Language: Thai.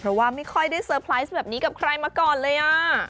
เพราะว่าไม่ค่อยได้เซอร์ไพรส์แบบนี้กับใครมาก่อนเลย